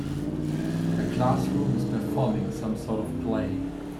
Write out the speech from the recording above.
A classroom is performing some sort of play.